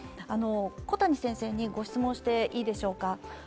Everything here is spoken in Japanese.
小谷先生にご質問していいでしょうか。